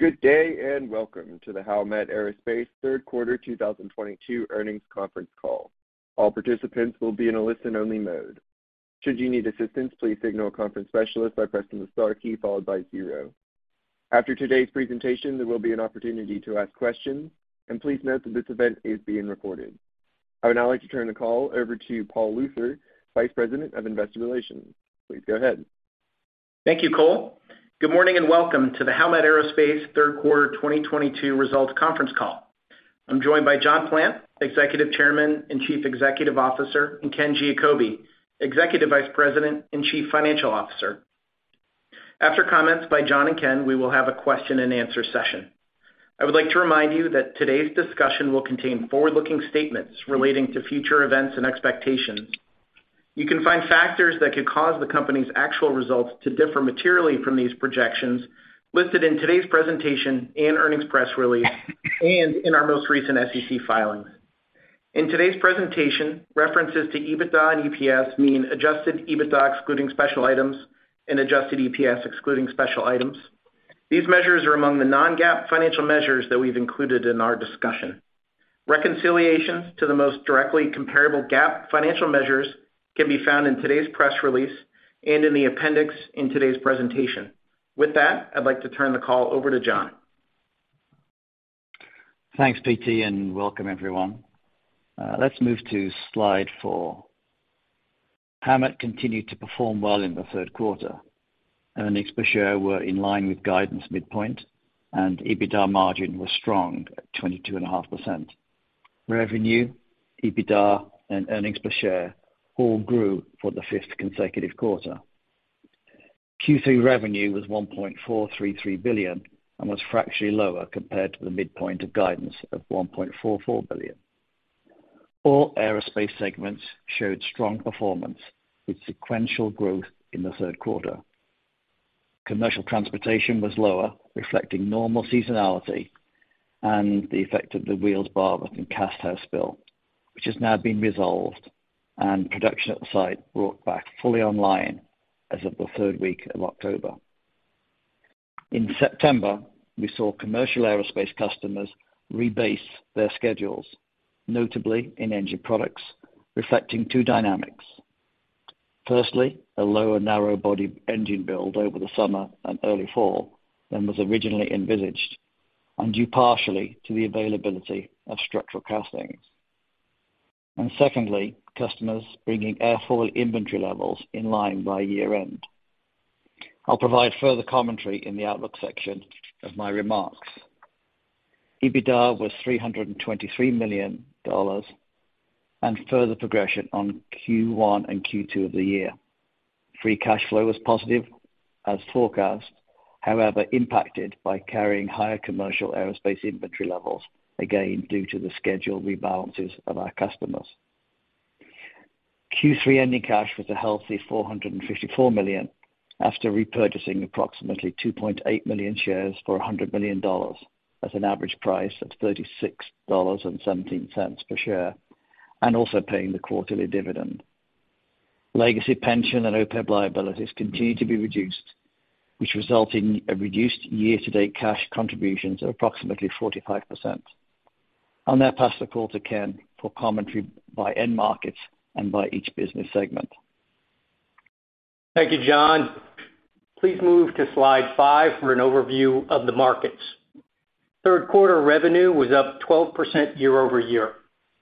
Good day, and welcome to the Howmet Aerospace third quarter 2022 earnings conference call. All participants will be in a listen-only mode. Should you need assistance, please signal a conference specialist by pressing the star key followed by zero. After today's presentation, there will be an opportunity to ask questions, and please note that this event is being recorded. I would now like to turn the call over to Paul Luther, Vice President of Investor Relations. Please go ahead. Thank you, Cole. Good morning and welcome to the Howmet Aerospace third quarter 2022 results conference call. I'm joined by John C. Plant, Executive Chairman and Chief Executive Officer, and Ken Giacobbe, Executive Vice President and Chief Financial Officer. After comments by John and Ken, we will have a question-and-answer session. I would like to remind you that today's discussion will contain forward-looking statements relating to future events and expectations. You can find factors that could cause the company's actual results to differ materially from these projections listed in today's presentation and earnings press release and in our most recent SEC filings. In today's presentation, references to EBITDA and EPS mean Adjusted EBITDA excluding special items and adjusted EPS excluding special items. These measures are among the Non-GAAP financial measures that we've included in our discussion. Reconciliations to the most directly comparable GAAP financial measures can be found in today's press release and in the appendix in today's presentation. With that, I'd like to turn the call over to John. Thanks, PT, and welcome everyone. Let's move to slide four. Howmet Aerospace continued to perform well in the third quarter. Earnings per share were in line with guidance midpoint and EBITDA margin was strong at 22.5%. Revenue, EBITDA, and earnings per share all grew for the fifth consecutive quarter. Q3 revenue was $1.433 billion and was fractionally lower compared to the midpoint of guidance of $1.44 billion. All aerospace segments showed strong performance with sequential growth in the third quarter. Commercial transportation was lower, reflecting normal seasonality and the effect of the wheels fire within cast house spill, which has now been resolved and production at the site brought back fully online as of the third week of October. In September, we saw commercial aerospace customers rebase their schedules, notably in Engine Products, reflecting two dynamics. Firstly, a lower narrow-body engine build over the summer and early fall than was originally envisaged and due partially to the availability of structural castings. Secondly, customers bringing airfoil inventory levels in line by year-end. I'll provide further commentary in the outlook section of my remarks. EBITDA was $323 million and further progression on Q1 and Q2 of the year. Free cash flow was positive as forecast, however impacted by carrying higher commercial aerospace inventory levels, again, due to the schedule rebalances of our customers. Q3 ending cash was a healthy $454 million after repurchasing approximately 2.8 million shares for $100 million at an average price of $36.17 per share, and also paying the quarterly dividend. Legacy pension and OPEB liabilities continue to be reduced, which result in a reduced year-to-date cash contributions of approximately 45%. I'll now pass the call to Ken for commentary by end markets and by each business segment. Thank you, John. Please move to slide five for an overview of the markets. Third quarter revenue was up 12% year-over-year.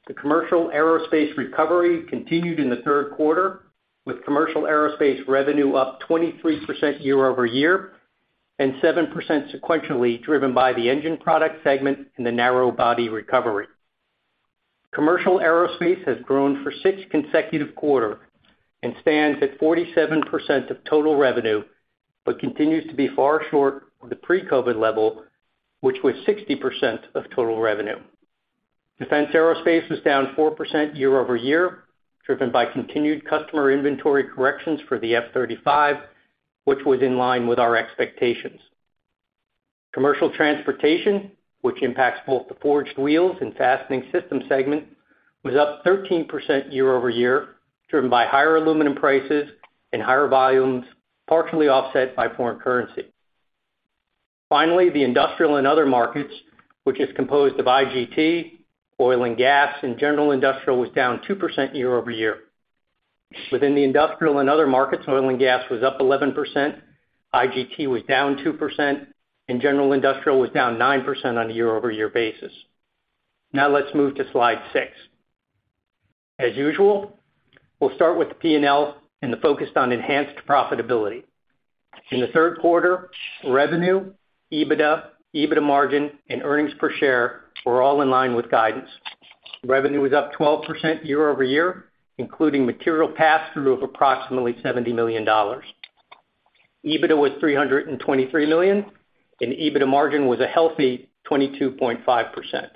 The commercial aerospace recovery continued in the third quarter, with commercial aerospace revenue up 23% year-over-year and 7% sequentially, driven by the Engine Products segment and the narrow-body recovery. Commercial aerospace has grown for six consecutive quarters and stands at 47% of total revenue, but continues to be far short of the pre-COVID level, which was 60% of total revenue. Defense aerospace was down 4% year-over-year, driven by continued customer inventory corrections for the F-35, which was in line with our expectations. Commercial transportation, which impacts both the Forged Wheels and Fastening Systems segments, was up 13% year-over-year, driven by higher aluminum prices and higher volumes, partially offset by foreign currency. Finally, the industrial and other markets, which is composed of IGT, oil and gas, and general industrial, was down 2% year-over-year. Within the industrial and other markets, oil and gas was up 11%, IGT was down 2%, and general industrial was down 9% on a year-over-year basis. Now let's move to slide 6. As usual, we'll start with the P&L and the focus on enhanced profitability. In the third quarter, revenue, EBITDA margin, and earnings per share were all in line with guidance. Revenue was up 12% year-over-year, including material pass-through of approximately $70 million. EBITDA was $323 million, and EBITDA margin was a healthy 22.5%.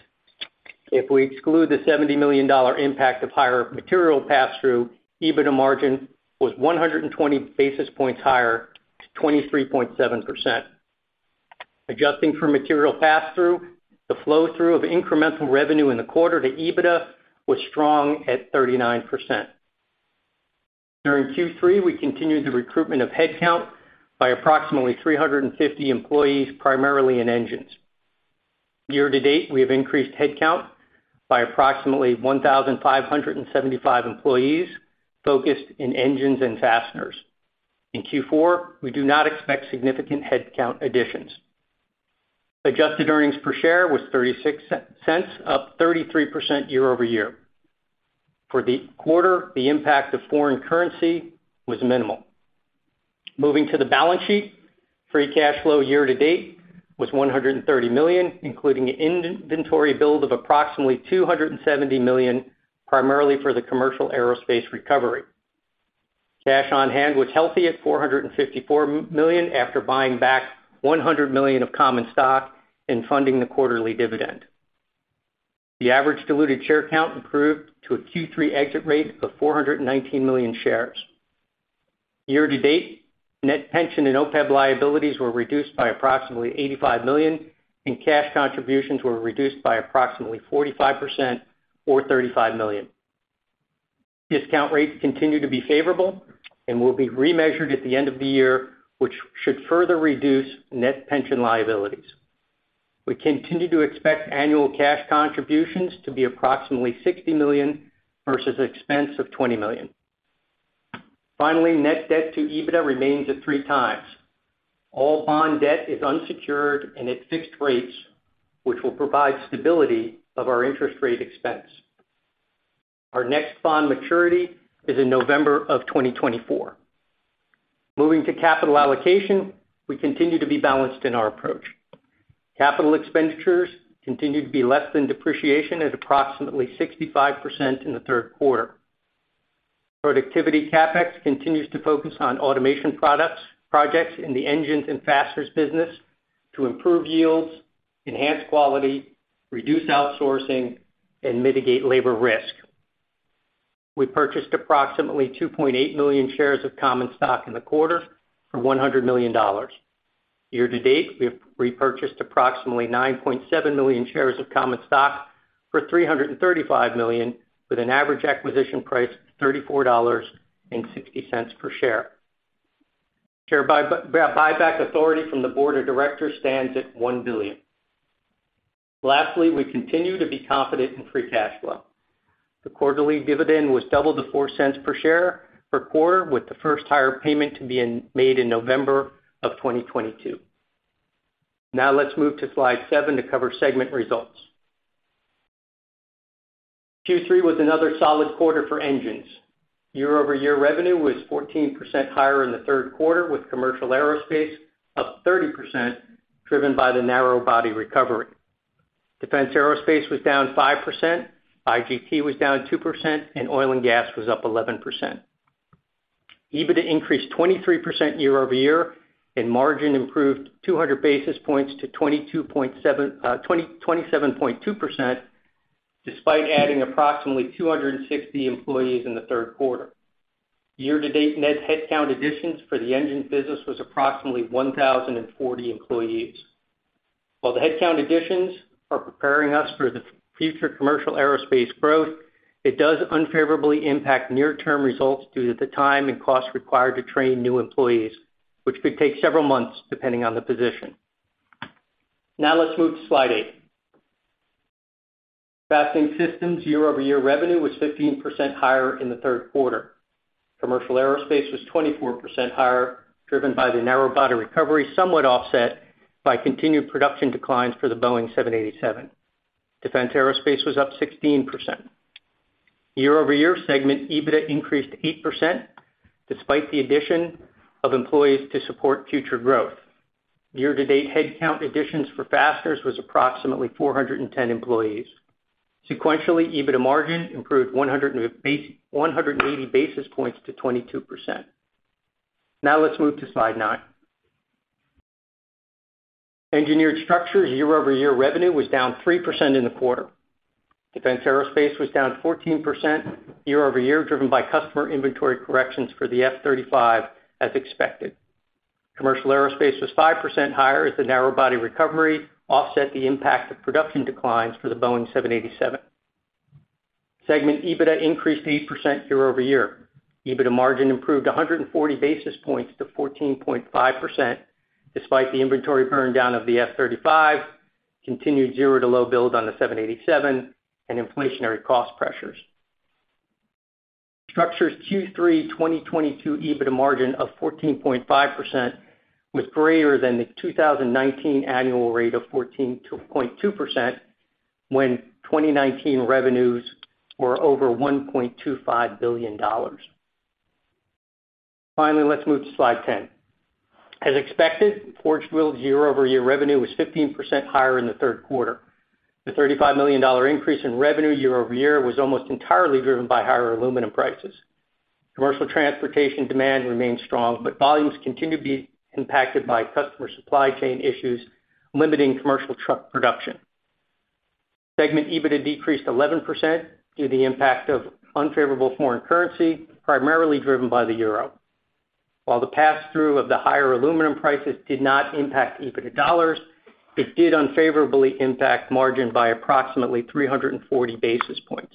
If we exclude the $70 million impact of higher material pass-through, EBITDA margin was 120 basis points higher to 23.7%. Adjusting for material pass-through, the flow-through of incremental revenue in the quarter to EBITDA was strong at 39%. During Q3, we continued the recruitment of headcount by approximately 350 employees, primarily in engines. Year-to-date, we have increased headcount by approximately 1,575 employees focused in engines and fasteners. In Q4, we do not expect significant headcount additions. Adjusted earnings per share was $0.36, up 33% year-over-year. For the quarter, the impact of foreign currency was minimal. Moving to the balance sheet, free cash flow year-to-date was $130 million, including inventory build of approximately $270 million, primarily for the commercial aerospace recovery. Cash on hand was healthy at $454 million after buying back $100 million of common stock and funding the quarterly dividend. The average diluted share count improved to a Q3 exit rate of 419 million shares. Year-to-date, net pension and OPEB liabilities were reduced by approximately $85 million, and cash contributions were reduced by approximately 45% or $35 million. Discount rates continue to be favorable and will be remeasured at the end of the year, which should further reduce net pension liabilities. We continue to expect annual cash contributions to be approximately $60 million versus expense of $20 million. Finally, net debt to EBITDA remains at 3x. All bond debt is unsecured and at fixed rates, which will provide stability of our interest rate expense. Our next bond maturity is in November 2024. Moving to capital allocation, we continue to be balanced in our approach. Capital expenditures continue to be less than depreciation at approximately 65% in the third quarter. Productivity CapEx continues to focus on automation projects in the engines and fasteners business to improve yields, enhance quality, reduce outsourcing, and mitigate labor risk. We purchased approximately 2.8 million shares of common stock in the quarter for $100 million. Year-to-date, we have repurchased approximately 9.7 million shares of common stock for $335 million, with an average acquisition price of $34.60 per share. Share buyback authority from the board of directors stands at $1 billion. Lastly, we continue to be confident in free cash flow. The quarterly dividend was doubled to $0.04 per share per quarter, with the first higher payment to be made in November 2022. Now let's move to slide seven to cover segment results. Q3 was another solid quarter for engines. Year-over-year revenue was 14% higher in the third quarter, with commercial aerospace up 30%, driven by the narrow body recovery. Defense aerospace was down 5%, IGT was down 2%, and oil and gas was up 11%. EBITDA increased 23% year over year, and margin improved 200 basis points to 22.7, 27.2%, despite adding approximately 260 employees in the third quarter. Year-to-date net headcount additions for the engine business was approximately 1,040 employees. While the headcount additions are preparing us for the future commercial aerospace growth, it does unfavorably impact near-term results due to the time and cost required to train new employees, which could take several months depending on the position. Now let's move to slide eight. Fastening Systems year-over-year revenue was 15% higher in the third quarter. Commercial aerospace was 24% higher, driven by the narrow body recovery, somewhat offset by continued production declines for the Boeing 787. Defense aerospace was up 16%. Year-over-year segment EBITDA increased 8% despite the addition of employees to support future growth. Year-to-date headcount additions for fasteners was approximately 410 employees. Sequentially, EBITDA margin improved 180 basis points to 22%. Now let's move to slide nine. Engineered Structures year-over-year revenue was down 3% in the quarter. Defense aerospace was down 14% year-over-year, driven by customer inventory corrections for the F-35 as expected. Commercial aerospace was 5% higher as the narrow body recovery offset the impact of production declines for the Boeing 787. Segment EBITDA increased 8% year-over-year. EBITDA margin improved 140 basis points to 14.5% despite the inventory burn down of the F-35, continued zero to low build on the 787, and inflationary cost pressures. Structures Q3 2022 EBITDA margin of 14.5% was greater than the 2019 annual rate of 14.2% when 2019 revenues were over $1.25 billion. Finally, let's move to slide 10. As expected, Forged Wheels year-over-year revenue was 15% higher in the third quarter. The $35 million increase in revenue year-over-year was almost entirely driven by higher aluminum prices. Commercial transportation demand remains strong, but volumes continue to be impacted by customer supply chain issues limiting commercial truck production. Segment EBITDA decreased 11% due to the impact of unfavorable foreign currency, primarily driven by the euro. While the pass-through of the higher aluminum prices did not impact EBITDA dollars, it did unfavorably impact margin by approximately 340 basis points.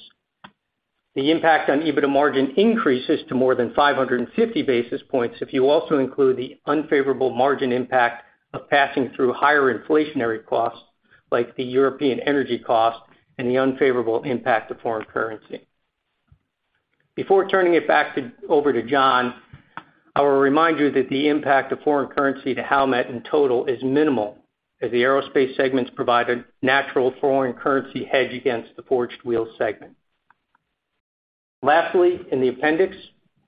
The impact on EBITDA margin increases to more than 550 basis points if you also include the unfavorable margin impact of passing through higher inflationary costs like the European energy cost and the unfavorable impact of foreign currency. Before turning it over to John Plant, I will remind you that the impact of foreign currency to Howmet Aerospace in total is minimal as the aerospace segments provide a natural foreign currency hedge against the Forged Wheels segment. Lastly, in the appendix,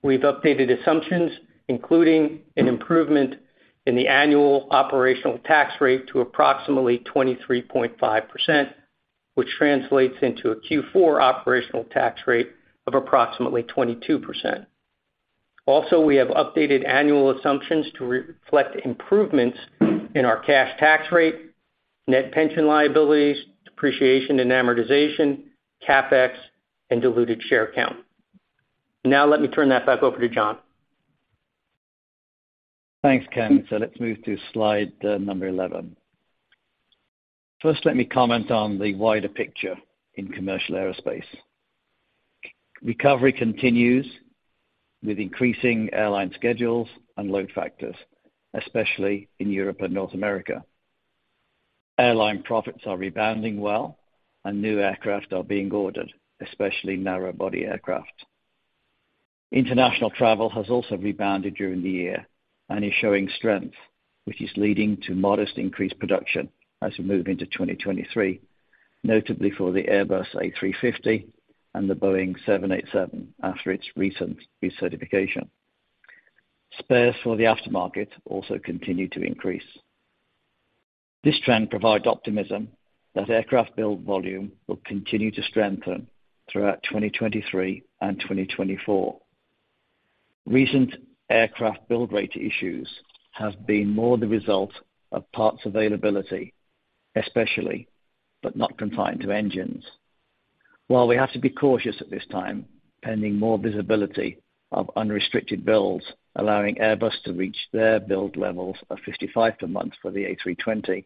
we've updated assumptions, including an improvement in the annual operational tax rate to approximately 23.5%, which translates into a Q4 operational tax rate of approximately 22%. Also, we have updated annual assumptions to reflect improvements in our cash tax rate, net pension liabilities, depreciation and amortization, CapEx, and diluted share count. Now let me turn that back over to John. Thanks, Ken. Let's move to slide number 11. First, let me comment on the wider picture in commercial aerospace. Recovery continues with increasing airline schedules and load factors, especially in Europe and North America. Airline profits are rebounding well, and new aircraft are being ordered, especially narrow-body aircraft. International travel has also rebounded during the year and is showing strength, which is leading to modest increased production as we move into 2023, notably for the Airbus A350 and the Boeing 787 after its recent recertification. Spares for the aftermarket also continue to increase. This trend provides optimism that aircraft build volume will continue to strengthen throughout 2023 and 2024. Recent aircraft build rate issues have been more the result of parts availability, especially, but not confined to engines. While we have to be cautious at this time, pending more visibility of unrestricted builds, allowing Airbus to reach their build levels of 55 per month for the A320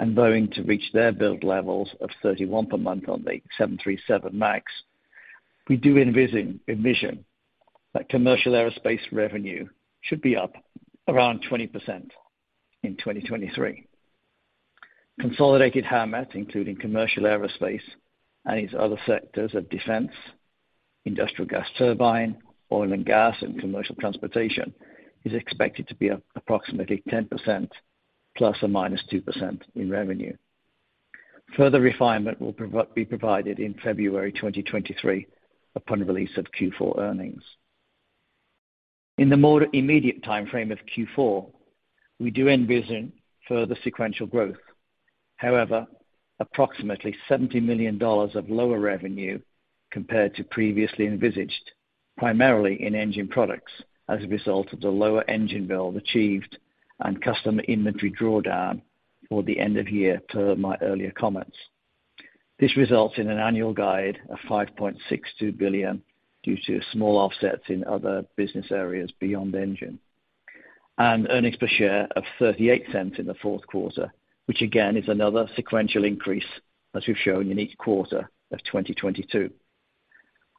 and Boeing to reach their build levels of 31 per month on the 737 MAX, we do envision that commercial aerospace revenue should be up around 20% in 2023. Consolidated Howmet Aerospace, including commercial aerospace and its other sectors of defense, industrial gas turbine, oil and gas, and commercial transportation, is expected to be up approximately 10% ±2% in revenue. Further refinement will be provided in February 2023 upon release of Q4 earnings. In the more immediate timeframe of Q4, we do envision further sequential growth. However, approximately $70 million of lower revenue compared to previously envisaged, primarily in Engine Products as a result of the lower engine build achieved and customer inventory drawdown for the end of year, per my earlier comments. This results in an annual guide of $5.62 billion due to small offsets in other business areas beyond Engine Products. Earnings per share of $0.38 in the fourth quarter, which again is another sequential increase as we've shown in each quarter of 2022.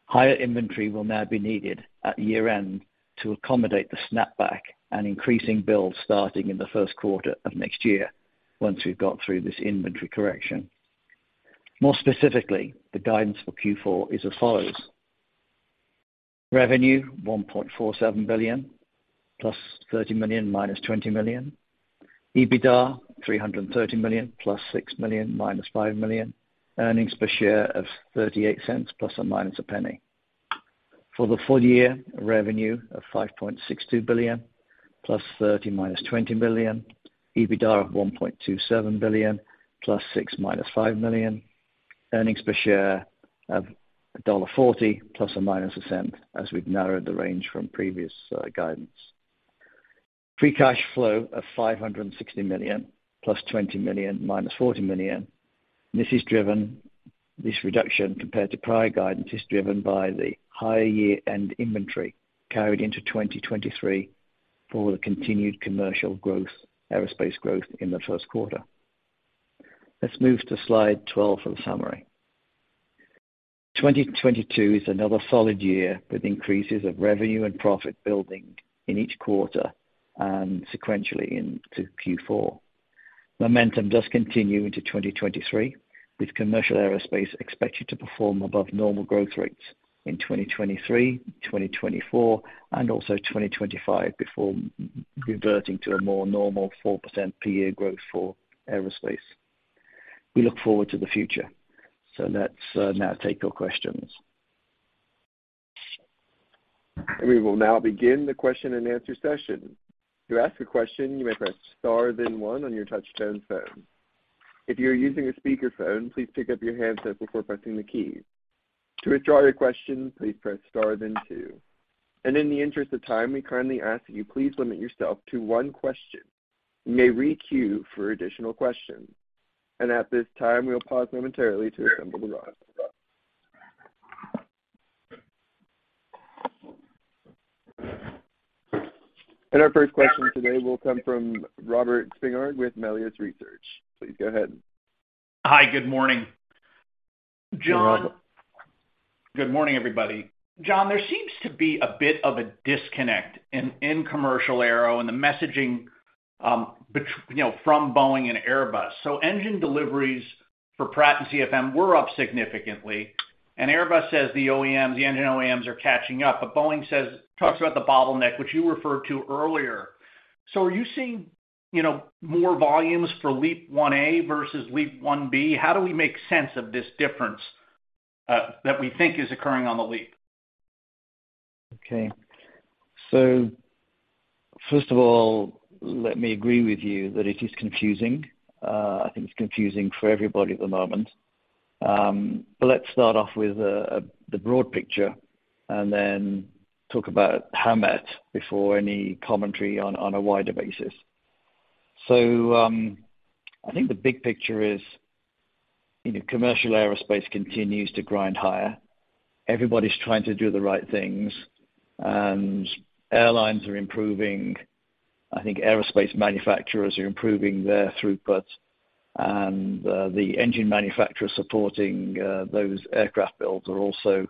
Higher inventory will now be needed at year-end to accommodate the snapback and increasing build starting in the first quarter of next year once we've got through this inventory correction. More specifically, the guidance for Q4 is as follows. Revenue, $1.47 billion +$30 million - $20 million. EBITDA, $330 million +$6 million - $5 million. Earnings per share of $0.38 ± $0.01. For the full year, revenue of $5.62 billion +$30 million - $20 million. EBITDA of $1.27 billion +$6 million - $5 million. Earnings per share of $1.40 ± $0.01, as we've narrowed the range from previous guidance. Free cash flow of $560 million +$20 million - $40 million. This reduction compared to prior guidance is driven by the higher year-end inventory carried into 2023 for the continued commercial growth, aerospace growth in the first quarter. Let's move to slide 12 for the summary. 2022 is another solid year with increases of revenue and profit building in each quarter and sequentially into Q4. Momentum does continue into 2023, with commercial aerospace expected to perform above normal growth rates in 2023, 2024, and also 2025 before reverting to a more normal 4% per year growth for aerospace. We look forward to the future. Let's now take your questions. We will now begin the question-and-answer session. To ask a question, you may press star then one on your touchtone phone. If you're using a speaker phone, please pick up your handset before pressing the key. To withdraw your question, please press star then two. In the interest of time, we kindly ask that you please limit yourself to one question. You may re-queue for additional questions. At this time, we'll pause momentarily to assemble the line. Our first question today will come from Robert Spingarn with Melius Research. Please go ahead. Hi. Good morning. You're welcome. John. Good morning, everybody. John, there seems to be a bit of a disconnect in commercial aero and the messaging, you know, between Boeing and Airbus. Engine deliveries for Pratt & Whitney and CFM were up significantly, and Airbus says the OEMs, the engine OEMs are catching up, but Boeing talks about the bottleneck, which you referred to earlier. Are you seeing, you know, more volumes for LEAP-1A versus LEAP-1B? How do we make sense of this difference that we think is occurring on the LEAP? Okay. First of all, let me agree with you that it is confusing. I think it's confusing for everybody at the moment. Let's start off with the broad picture and then talk about Howmet before any commentary on a wider basis. I think the big picture is, you know, commercial aerospace continues to grind higher. Everybody's trying to do the right things, and airlines are improving. I think aerospace manufacturers are improving their throughput, and the engine manufacturers supporting those aircraft builds are also,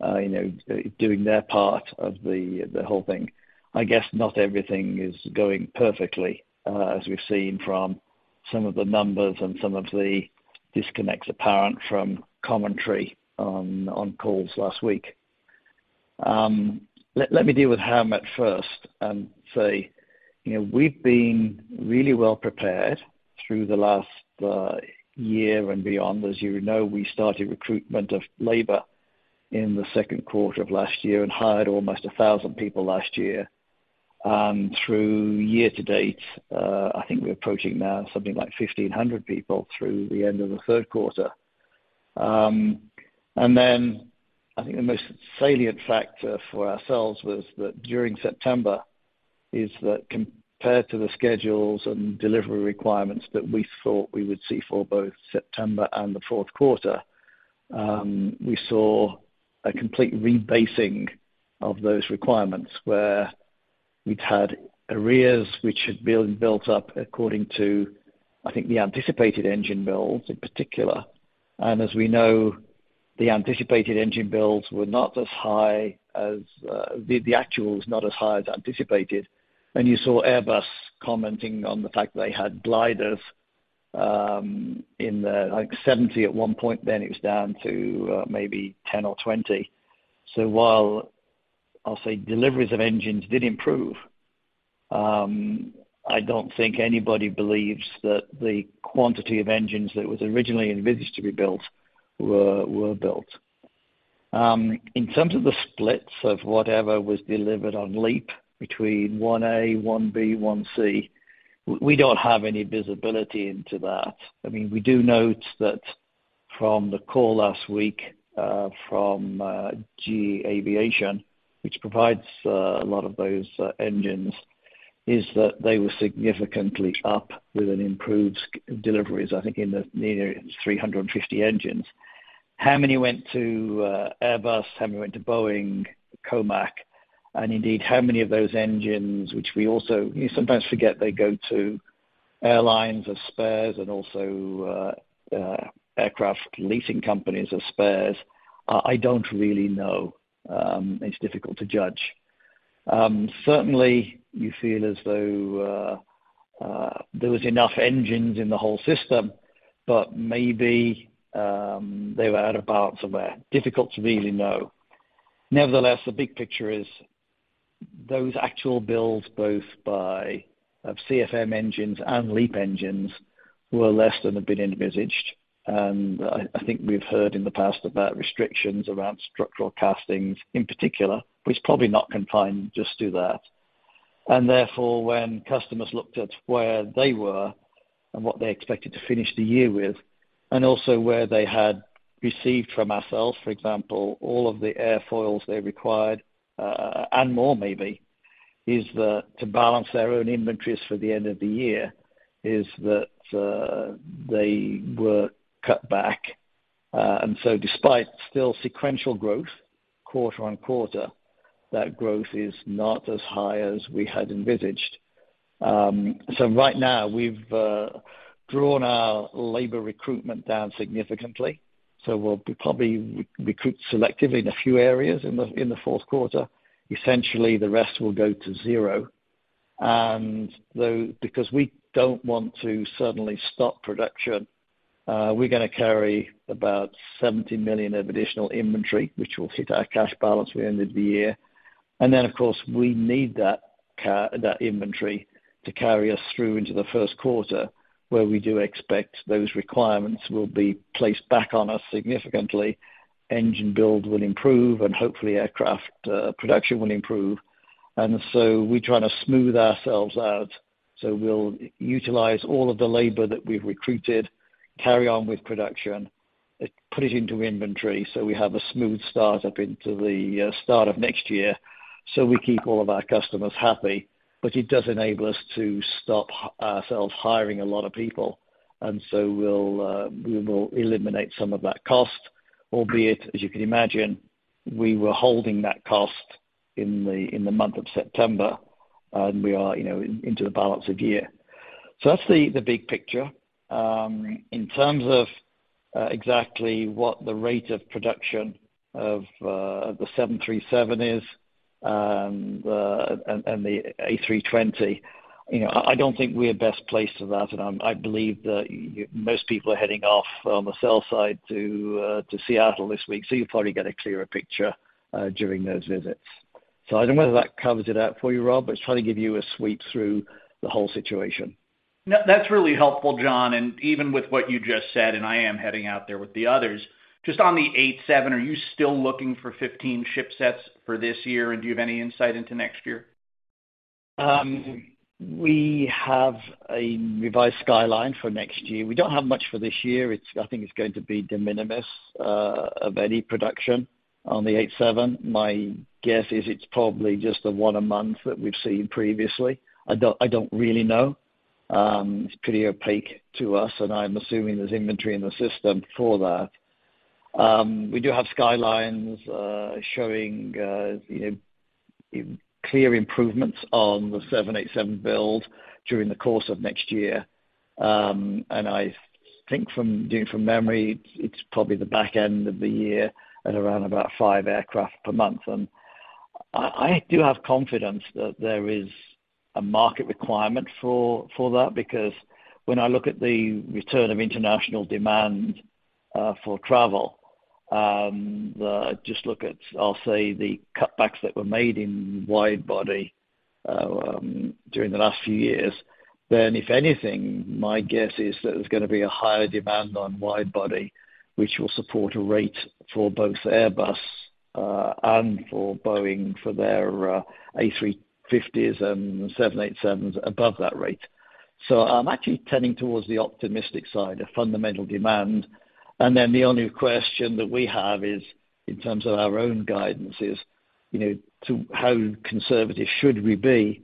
you know, doing their part of the whole thing. I guess not everything is going perfectly as we've seen from some of the numbers and some of the disconnects apparent from commentary on calls last week. Let me deal with Howmet at first and say, you know, we've been really well prepared through the last year and beyond. As you would know, we started recruitment of labor in the second quarter of last year and hired almost 1,000 people last year. Through year-to-date, I think we're approaching now something like 1,500 people through the end of the third quarter. I think the most salient factor for ourselves was that during September is that compared to the schedules and delivery requirements that we thought we would see for both September and the fourth quarter, we saw a complete rebasing of those requirements where we'd had arrears which had been built up according to, I think, the anticipated engine builds in particular. As we know, the anticipated engine builds were not as high as the actuals, not as high as anticipated. You saw Airbus commenting on the fact that they had gliders in the, like, 70 at one point, then it was down to maybe 10 or 20. While I'll say deliveries of engines did improve, I don't think anybody believes that the quantity of engines that was originally envisaged to be built were built. In terms of the splits of whatever was delivered on LEAP between one A, one B, one C, we don't have any visibility into that. I mean, we do note that from the call last week, from GE Aerospace, which provides a lot of those engines, is that they were significantly up with an improved deliveries, I think, in the near 350 engines. How many went to Airbus? How many went to Boeing, COMAC? And indeed, how many of those engines, which we also, you know, sometimes forget they go to airlines or spares and also aircraft leasing companies or spares, I don't really know. It's difficult to judge. Certainly you feel as though there was enough engines in the whole system, but maybe they were out of bounds somewhere. Difficult to really know. Nevertheless, the big picture is those actual builds, both by CFM engines and LEAP engines, were less than had been envisaged. I think we've heard in the past about restrictions around structural castings in particular, which is probably not confined just to that. Therefore, when customers looked at where they were and what they expected to finish the year with, and also where they had received from ourselves, for example, all of the airfoils they required, and more maybe, is that to balance their own inventories for the end of the year, is that they were cut back. Despite still sequential growth quarter-over-quarter, that growth is not as high as we had envisaged. Right now we've drawn our labor recruitment down significantly. We'll be probably recruit selectively in a few areas in the fourth quarter. Essentially, the rest will go to zero. Though, because we don't want to suddenly stop production, we're gonna carry about $70 million of additional inventory, which will hit our cash balance at the end of the year. Then, of course, we need that inventory to carry us through into the first quarter, where we do expect those requirements will be placed back on us significantly. Engine build will improve and hopefully aircraft production will improve. We're trying to smooth ourselves out. We'll utilize all of the labor that we've recruited, carry on with production, put it into inventory so we have a smooth start up into the start of next year, so we keep all of our customers happy. It does enable us to stop ourselves hiring a lot of people. We'll eliminate some of that cost, albeit, as you can imagine, we were holding that cost in the month of September, and we are, you know, into the balance of year. That's the big picture. In terms of exactly what the rate of production of the 737 is, and the A320, I don't think we're best placed for that. I believe that most people are heading off on the sell side to Seattle this week, so you'll probably get a clearer picture during those visits. I don't know whether that covers it out for you, Rob, but it's trying to give you a sweep through the whole situation. No, that's really helpful, John. Even with what you just said, and I am heading out there with the others, just on the 787, are you still looking for 15 ship sets for this year? Do you have any insight into next year? We have a revised skyline for next year. We don't have much for this year. I think it's going to be de minimis of any production on the 787. My guess is it's probably just the 1 a month that we've seen previously. I don't really know. It's pretty opaque to us, and I'm assuming there's inventory in the system for that. We do have skylines showing, you know, clear improvements on the 787 build during the course of next year. I think from memory it's probably the back end of the year at around about five aircraft per month. I do have confidence that there is a market requirement for that because when I look at the return of international demand for travel, just look at, I'll say, the cutbacks that were made in wide body during the last few years. If anything, my guess is that there's gonna be a higher demand on wide body, which will support a rate for both Airbus and for Boeing for their A350s and 787s above that rate. I'm actually tending towards the optimistic side of fundamental demand. The only question that we have is in terms of our own guidance is, you know, to how conservative should we be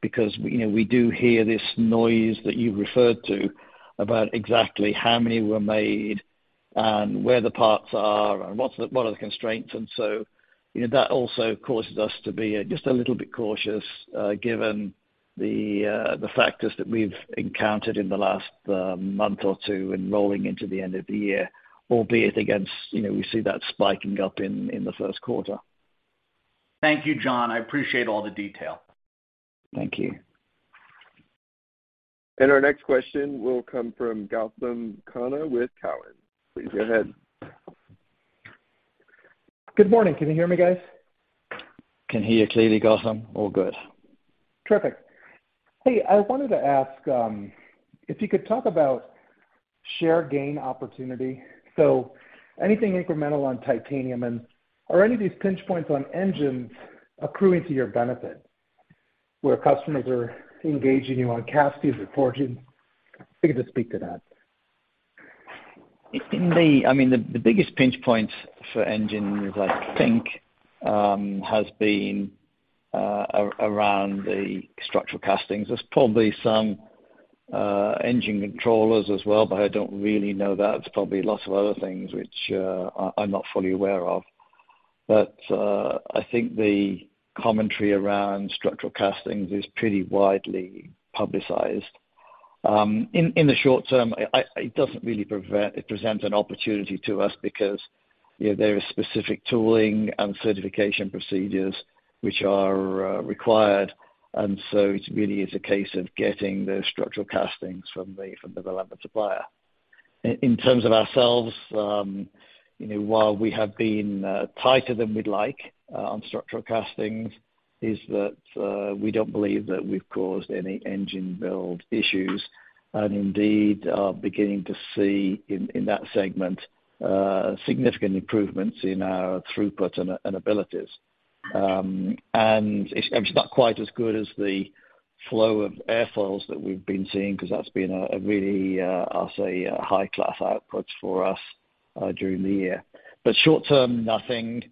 because we, you know, we do hear this noise that you referred to about exactly how many were made and where the parts are and what are the constraints and so. You know, that also causes us to be just a little bit cautious, given the factors that we've encountered in the last month or two in rolling into the end of the year, albeit against, you know, we see that spiking up in the first quarter. Thank you, John. I appreciate all the detail. Thank you. Our next question will come from Gautam Khanna with Cowen. Please go ahead. Good morning. Can you hear me, guys? can hear you clearly, Gautam. All good. Terrific. Hey, I wanted to ask if you could talk about share gain opportunity, so anything incremental on titanium and are any of these pinch points on engines accruing to your benefit where customers are engaging you on castings or forging? If you could just speak to that. The biggest pinch points for engines, I think, has been around the structural castings. There's probably some engine controllers as well, but I don't really know that. There's probably lots of other things which I'm not fully aware of. I think the commentary around structural castings is pretty widely publicized. In the short term, it doesn't really present an opportunity to us because, you know, there is specific tooling and certification procedures which are required, and so it really is a case of getting those structural castings from the relevant supplier. In terms of ourselves, you know, while we have been tighter than we'd like on structural castings is that we don't believe that we've caused any engine build issues and indeed are beginning to see in that segment significant improvements in our throughput and abilities. It's not quite as good as the flow of airfoils that we've been seeing because that's been a really, I'll say a high class output for us during the year. Short term, nothing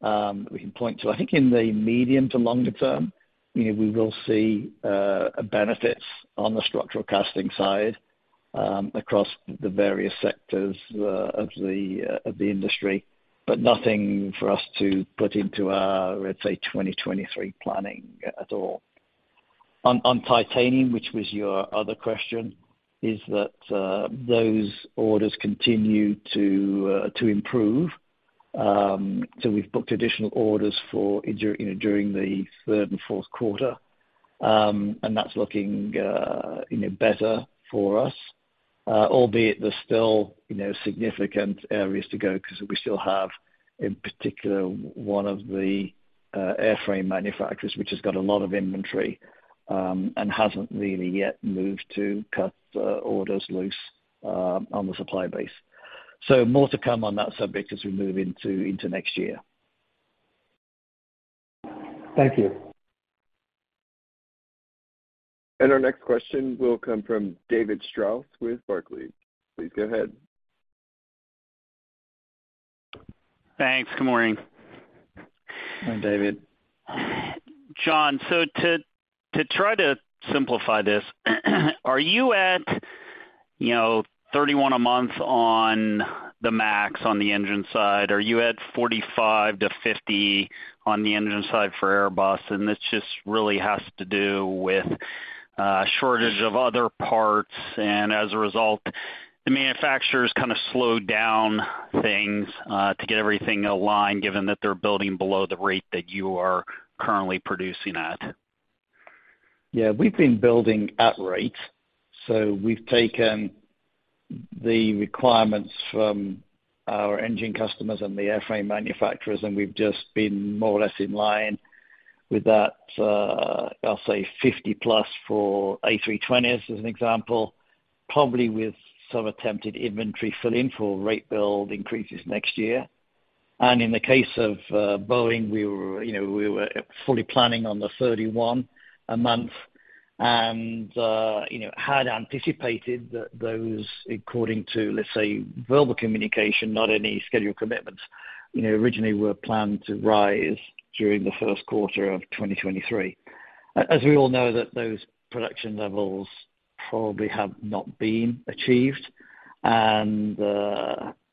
we can point to. I think in the medium to longer term, you know, we will see benefits on the structural casting side across the various sectors of the industry, but nothing for us to put into our, let's say, 2023 planning at all. On titanium, which was your other question, those orders continue to improve. We've booked additional orders during, you know, the third and fourth quarter, and that's looking, you know, better for us. Albeit there's still, you know, significant areas to go because we still have, in particular, one of the airframe manufacturers which has got a lot of inventory, and hasn't really yet moved to cut the orders loose on the supply base. More to come on that subject as we move into next year. Thank you. Our next question will come from David Strauss with Barclays. Please go ahead. Thanks. Good morning. Hi, David. John, to try to simplify this, are you at, you know, 31 a month on the max on the engine side? Are you at 45-50 on the engine side for Airbus, and it just really has to do with shortage of other parts, and as a result, the manufacturers kind of slowed down things to get everything aligned, given that they're building below the rate that you are currently producing at? Yeah, we've been building at rate. We've taken the requirements from our engine customers and the airframe manufacturers, and we've just been more or less in line with that. I'll say 50+ for A320 as an example, probably with some attempted inventory fill in for rate build increases next year. In the case of Boeing, we were, you know, fully planning on the 31 a month, and, you know, had anticipated that those, according to, let's say, verbal communication, not any scheduled commitments, you know, originally were planned to rise during the first quarter of 2023. As we all know that those production levels probably have not been achieved, and,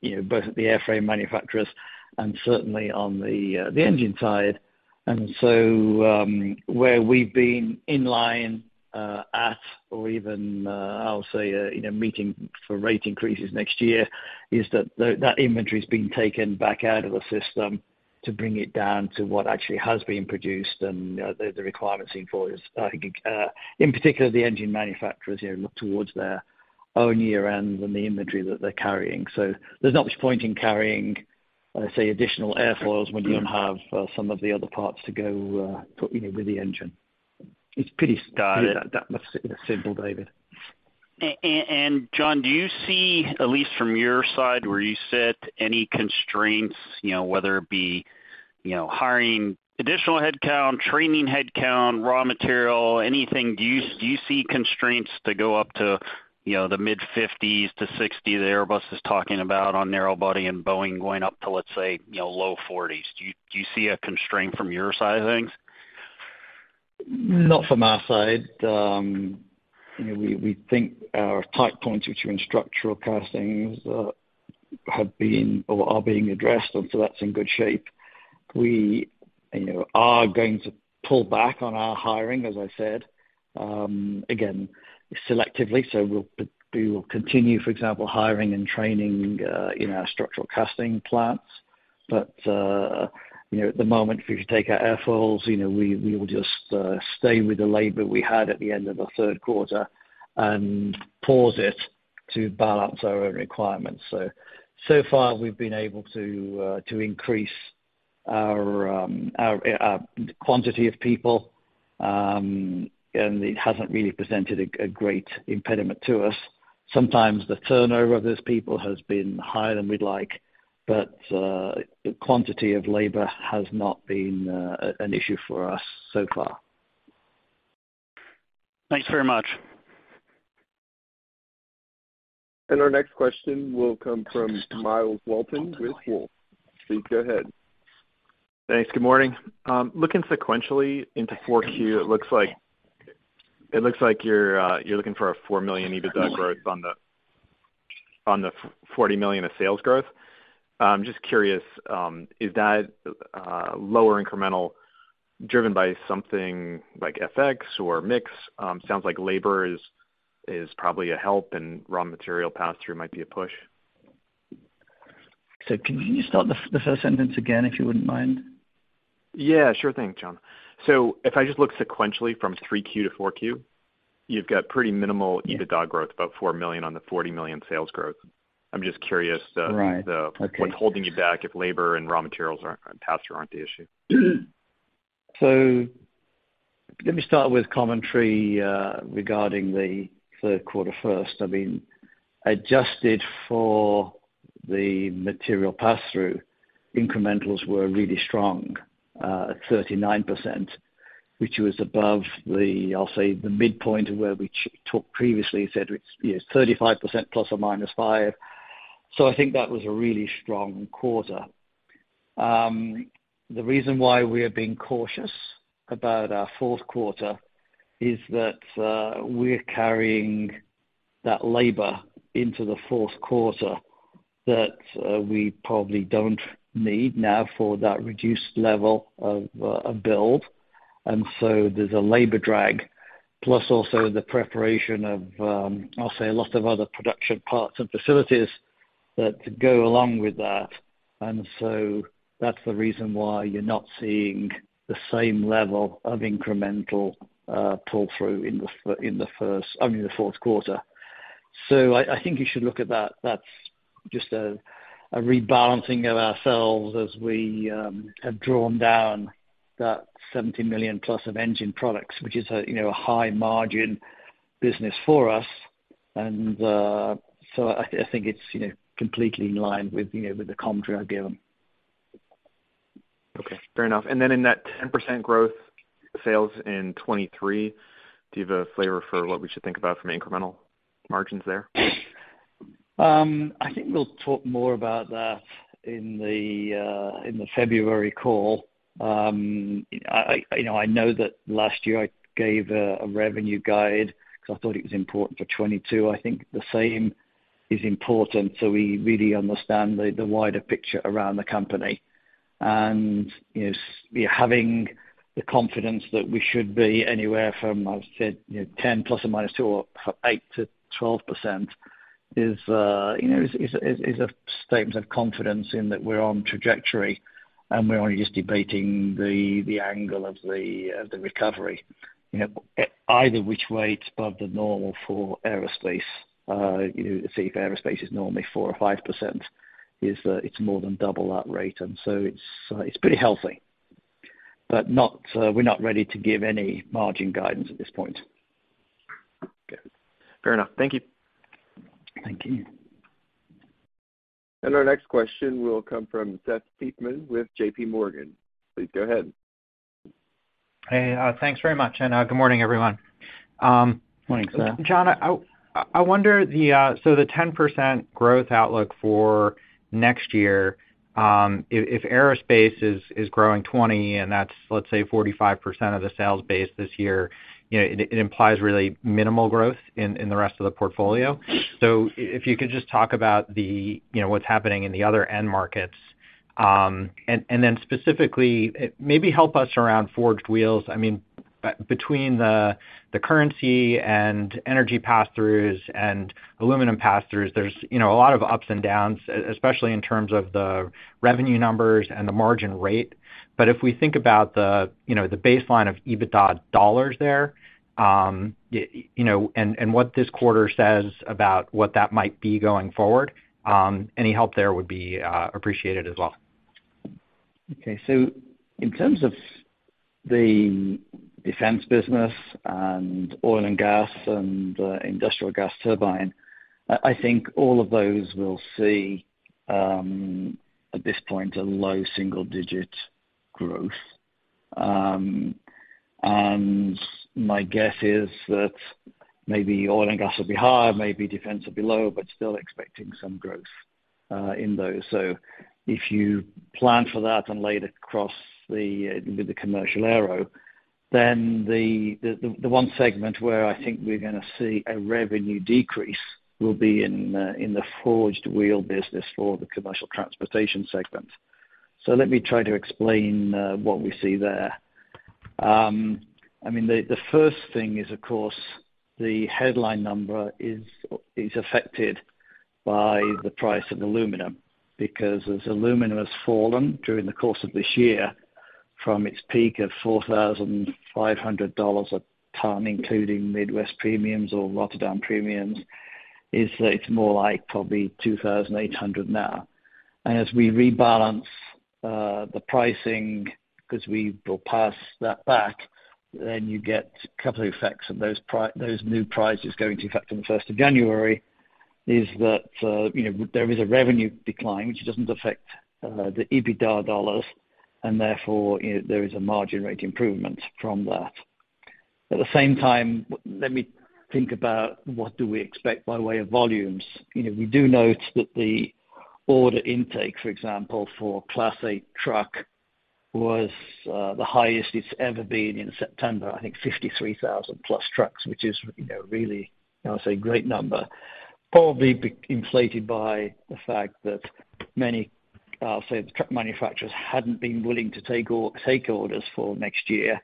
you know, both at the airframe manufacturers and certainly on the engine side. Where we've been in line at or even, I'll say, you know, meeting for rate increases next year is that that inventory is being taken back out of the system to bring it down to what actually has been produced and, you know, the requirements seen for is, I think, in particular, the engine manufacturers, you know, look towards their own year-end and the inventory that they're carrying. So there's not much point in carrying, let's say, additional airfoils when you don't have some of the other parts to go, you know, with the engine. It's pretty's Got it. That's, you know, simple, David. John, do you see, at least from your side where you sit, any constraints, you know, whether it be, you know, hiring additional headcount, training headcount, raw material, anything? Do you see constraints to go up to, you know, the mid-50s to 60 that Airbus is talking about on narrow-body and Boeing going up to, let's say, you know, low 40s? Do you see a constraint from your side of things? Not from our side. You know, we think our tight points, which are in structural castings, have been or are being addressed, and so that's in good shape. We, you know, are going to pull back on our hiring, as I said, again, selectively. We will continue, for example, hiring and training in our structural casting plants. You know, at the moment, if you take our airfoils, you know, we will just stay with the labor we had at the end of the third quarter and pause it to balance our own requirements. So far we've been able to increase our quantity of people, and it hasn't really presented a great impediment to us. Sometimes the turnover of those people has been higher than we'd like, but the quantity of labor has not been an issue for us so far. Thanks very much. Our next question will come from Myles Walton with Wolfe. Please go ahead. Thanks. Good morning. Looking sequentially into 4Q, it looks like you're looking for a $4 million EBITDA growth on the $40 million of sales growth. I'm just curious, is that lower incremental driven by something like FX or mix? Sounds like labor is probably a help and raw material pass-through might be a push. Can you start the first sentence again, if you wouldn't mind? Yeah, sure thing, John. If I just look sequentially from 3Q to 4Q, you've got pretty minimal EBITDA growth, about $4 million on the $40 million sales growth. I'm just curious. Right. The- Okay. What's holding you back if labor and raw materials are, and pass-through aren't the issue? Let me start with commentary, regarding the third quarter first. I mean, adjusted for the material pass-through, incrementals were really strong, at 39%, which was above the, I'll say, the midpoint of where we talked previously, said it's, you know, 35% ± 5. I think that was a really strong quarter. The reason why we are being cautious about our fourth quarter is that, we're carrying that labor into the fourth quarter that, we probably don't need now for that reduced level of build. There's a labor drag, plus also the preparation of, I'll say a lot of other production parts and facilities that go along with that. That's the reason why you're not seeing the same level of incremental pull-through in the fourth quarter. I think you should look at that. That's just a rebalancing of ourselves as we have drawn down that $70 million plus of Engine Products, which is a you know a high margin business for us. I think it's you know completely in line with you know with the commentary I've given. Fair enough. In that 10% growth sales in 2023, do you have a flavor for what we should think about from incremental margins there? I think we'll talk more about that in the February call. You know, I know that last year I gave a revenue guide because I thought it was important for 2022. I think the same is important, so we really understand the wider picture around the company. You know, having the confidence that we should be anywhere from, I would say, you know, 10 ±2 or 8-12% is a statement of confidence in that we're on trajectory and we're only just debating the angle of the recovery. You know, either which way, it's above the normal for aerospace. You know, say aerospace is normally 4 or 5%. It's more than double that rate. It's pretty healthy. We're not ready to give any margin guidance at this point. Okay. Fair enough. Thank you. Thank you. Our next question will come from Seth Seifman with JPMorgan. Please go ahead. Hey. Thanks very much. Good morning, everyone. Morning, Seth. John, I wonder, so the 10% growth outlook for next year, if aerospace is growing 20 and that's, let's say, 45% of the sales base this year, you know, it implies really minimal growth in the rest of the portfolio. If you could just talk about the, you know, what's happening in the other end markets. Then specifically, maybe help us around Forged Wheels. I mean, between the currency and energy pass-throughs and aluminum pass-throughs, there's, you know, a lot of ups and downs, especially in terms of the revenue numbers and the margin rate. If we think about the, you know, the baseline of EBITDA dollars there, you know, and what this quarter says about what that might be going forward, any help there would be appreciated as well. Okay. In terms of the defense business and oil and gas and industrial gas turbine, I think all of those will see, at this point, a low single digit growth. And my guess is that maybe oil and gas will be higher, maybe defense will be lower, but still expecting some growth in those. If you plan for that and lay it across the with the commercial aero, then the one segment where I think we're gonna see a revenue decrease will be in the Forged Wheels business for the commercial transportation segment. Let me try to explain what we see there. I mean, the first thing is, of course, the headline number is affected by the price of aluminum because as aluminum has fallen during the course of this year from its peak of $4,500 a ton, including Midwest premiums or Rotterdam premiums, it's more like probably $2,800 now. As we rebalance the pricing, 'cause we will pass that back, then you get a couple of effects of those new prices going into effect on the first of January, you know, there is a revenue decline which doesn't affect the EBITDA dollars, and therefore, you know, there is a margin rate improvement from that. At the same time, let me think about what do we expect by way of volumes. You know, we do note that the order intake, for example, for Class 8 truck was the highest it's ever been in September. I think 53,000+ trucks, which is, you know, really, I would say, great number. Probably inflated by the fact that many, I'll say the truck manufacturers hadn't been willing to take orders for next year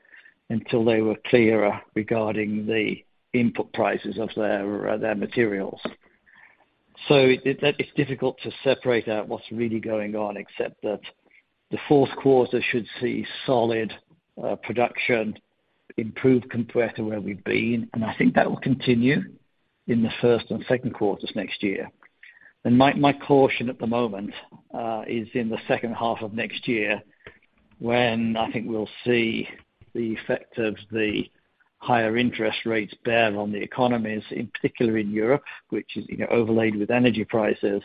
until they were clearer regarding the input prices of their materials. That is difficult to separate out what's really going on, except that the fourth quarter should see solid production improve compared to where we've been, and I think that will continue in the first and second quarters next year. My caution at the moment is in the second half of next year when I think we'll see the effect of the higher interest rates bear on the economies, in particular in Europe, which is, you know, overlaid with energy prices.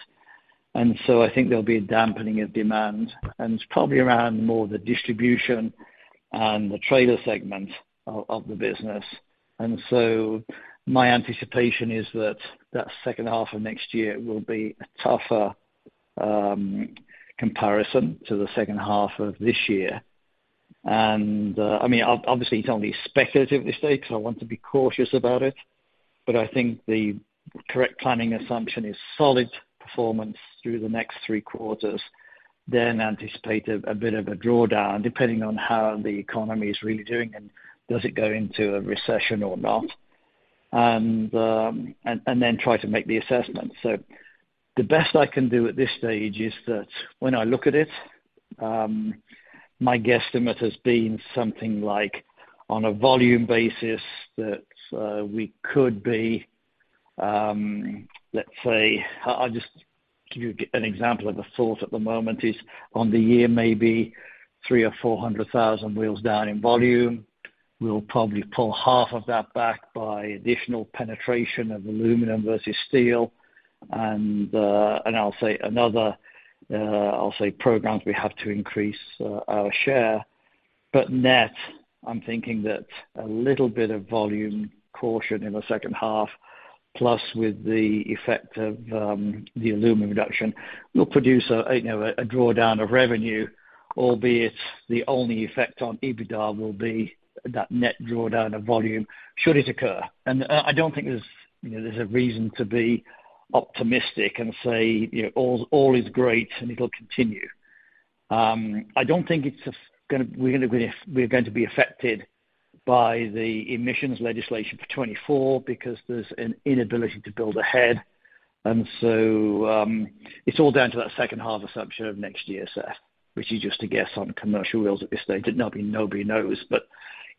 I think there'll be a dampening of demand, and it's probably around more the distribution and the trader segment of the business. My anticipation is that that second half of next year will be a tougher comparison to the second half of this year. I mean, obviously, it's only speculative stage, so I want to be cautious about it. I think the correct planning assumption is solid performance through the next three quarters, then anticipate a bit of a drawdown, depending on how the economy is really doing, and does it go into a recession or not? Try to make the assessment. The best I can do at this stage is that when I look at it, my guesstimate has been something like, on a volume basis that we could be, let's say I'll just give you an example of a thought at the moment is on the year, maybe 300,000 or 400,000 wheels down in volume. We'll probably pull half of that back by additional penetration of aluminum versus steel. I'll say programs we have to increase our share. Net, I'm thinking that a little bit of volume caution in the second half, plus with the effect of the aluminum reduction, will produce a drawdown of revenue, albeit the only effect on EBITDA will be that net drawdown of volume should it occur. I don't think there's, you know, a reason to be optimistic and say, you know, all is great and it'll continue. I don't think we're going to be affected by the emissions legislation for 2024 because there's an inability to build ahead. It's all down to that second half assumption of next year, Seth, which is just a guess on commercial wheels at this stage. Nobody knows.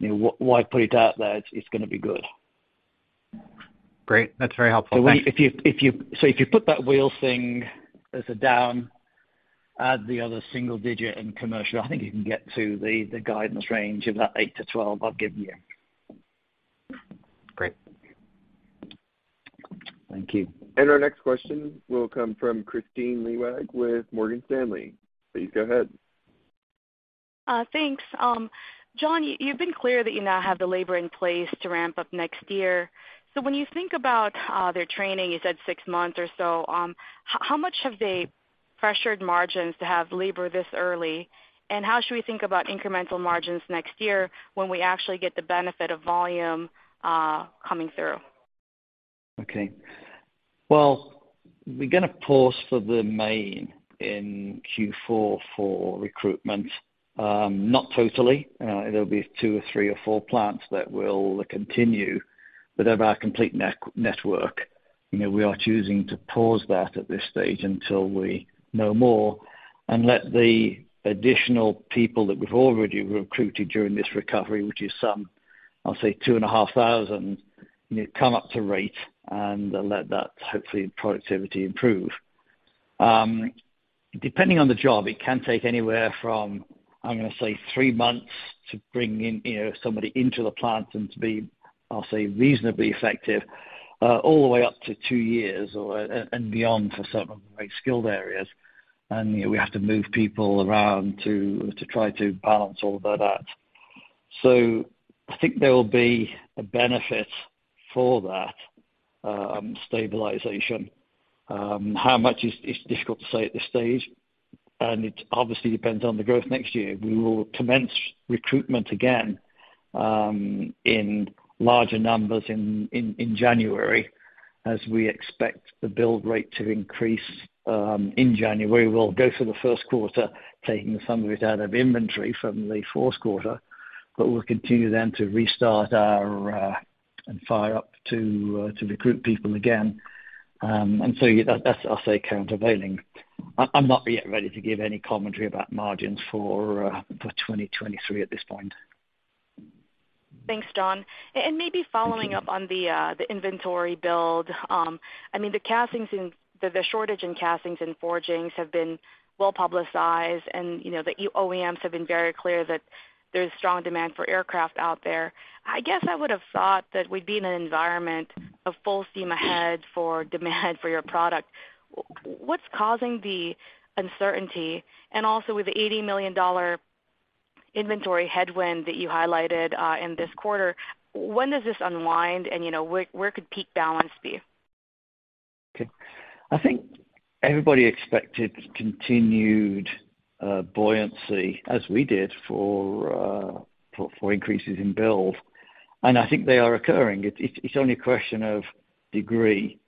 You know, why put it out there? It's gonna be good. Great. That's very helpful. Thank you. If you put that wheel thing as a down, add the other single digit and commercial, I think you can get to the guidance range of that 8-12 I've given you. Great. Thank you. Our next question will come from Kristine Liwag with Morgan Stanley. Please go ahead. Thanks. John, you've been clear that you now have the labor in place to ramp up next year. When you think about their training, you said six months or so, how much have they pressured margins to have labor this early? How should we think about incremental margins next year when we actually get the benefit of volume coming through? Okay. Well, we're gonna pause the remaining in Q4 for recruitment. Not totally. It'll be two or three or four plants that will continue. Of our complete network, you know, we are choosing to pause that at this stage until we know more and let the additional people that we've already recruited during this recovery, which is some, I'll say, 2,500, you know, come up to rate and let that, hopefully, productivity improve. Depending on the job, it can take anywhere from, I'm gonna say, three months to bring in, you know, somebody into the plant and to be, I'll say, reasonably effective, all the way up to two years or and beyond for some of the very skilled areas. You know, we have to move people around to try to balance all of that out. I think there will be a benefit for that stabilization. How much is difficult to say at this stage, and it obviously depends on the growth next year. We will commence recruitment again in larger numbers in January, as we expect the build rate to increase in January. We'll go for the first quarter, taking some of it out of inventory from the fourth quarter, but we'll continue then and hire up to recruit people again. That's, I'll say, countervailing. I'm not yet ready to give any commentary about margins for 2023 at this point. Thanks, John. Maybe following up on the inventory build. I mean, the shortage in castings and forgings have been well-publicized, and, you know, the OEMs have been very clear that there's strong demand for aircraft out there. I guess I would have thought that we'd be in an environment of full steam ahead for demand for your product. What's causing the uncertainty? Also, with the $80 million inventory headwind that you highlighted in this quarter, when does this unwind? You know, where could peak balance be? Okay. I think everybody expected continued buoyancy, as we did, for increases in build. I think they are occurring. It's only a question of degree.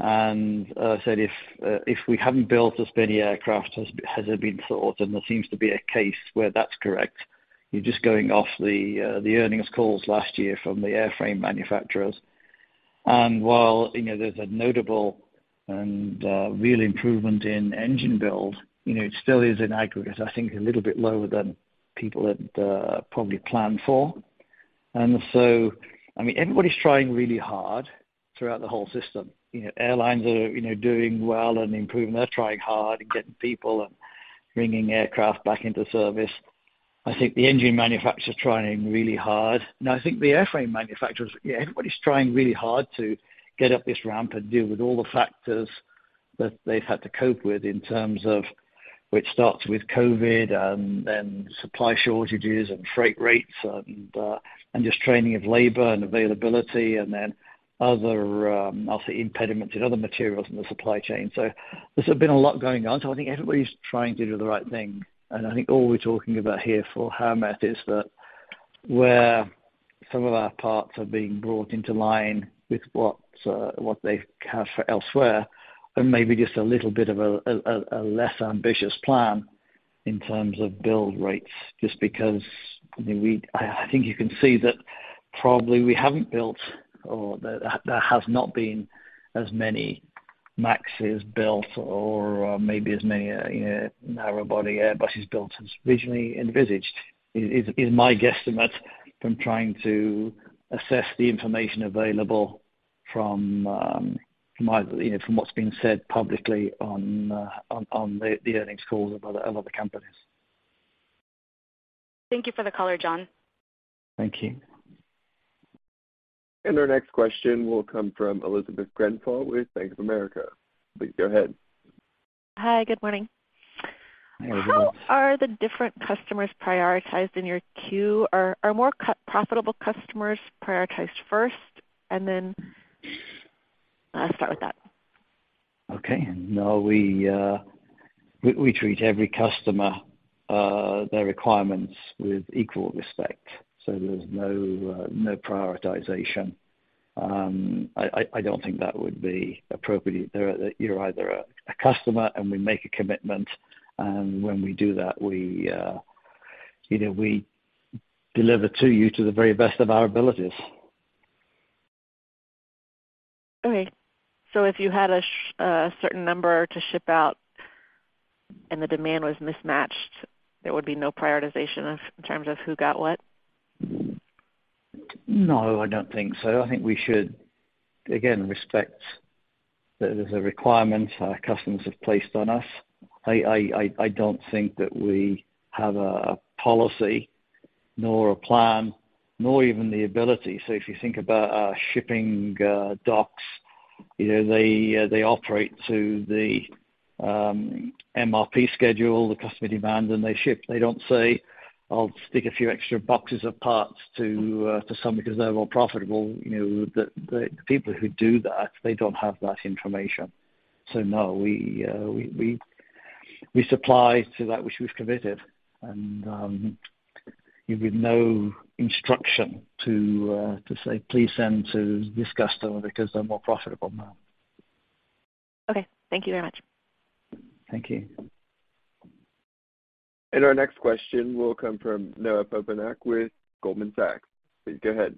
As I said, if we haven't built as many aircraft as had been thought, and there seems to be a case where that's correct, you're just going off the earnings calls last year from the airframe manufacturers. While, you know, there's a notable and real improvement in engine build, you know, it still is in aggregate, I think a little bit lower than people had probably planned for. I mean, everybody's trying really hard throughout the whole system. You know, airlines are, you know, doing well and improving. They're trying hard and getting people and bringing aircraft back into service. I think the engine manufacturer's trying really hard. I think the airframe manufacturers, everybody's trying really hard to get up this ramp and deal with all the factors that they've had to cope with in terms of which starts with COVID, and then supply shortages and freight rates and just training of labor and availability, and then other, I'll say impediments in other materials in the supply chain. There's been a lot going on. I think everybody's trying to do the right thing. I think all we're talking about here for Howmet is that where some of our parts are being brought into line with what they have for elsewhere, and maybe just a little bit of a less ambitious plan in terms of build rates, just because, I mean, I think you can see that probably we haven't built or there has not been as many MAXes built or, maybe as many, you know, narrow-body Airbuses built as originally envisaged. Is my guesstimate from trying to assess the information available. From, from either, you know, from what's been said publicly on the earnings calls of other companies. Thank you for the color, John. Thank you. Our next question will come from Elizabeth with Bank of America. Please go ahead. Hi. Good morning. Hi, Elizabeth. How are the different customers prioritized in your queue? Are more profitable customers prioritized first? Start with that. Okay. No. We treat every customer their requirements with equal respect. There's no prioritization. I don't think that would be appropriate. You're either a customer, and we make a commitment, and when we do that, you know, we deliver to you to the very best of our abilities. Okay. If you had a certain number to ship out and the demand was mismatched, there would be no prioritization of, in terms of who got what? No, I don't think so. I think we should, again, respect that there's a requirement our customers have placed on us. I don't think that we have a policy nor a plan, nor even the ability. If you think about our shipping docks, you know, they operate to the MRP schedule, the customer demand, and they ship. They don't say, "I'll stick a few extra boxes of parts to some because they're more profitable." You know, the people who do that, they don't have that information. No, we supply to that which we've committed and with no instruction to say, "Please send to this customer because they're more profitable now. Okay. Thank you very much. Thank you. Our next question will come from Noah Poponak with Goldman Sachs. Please go ahead.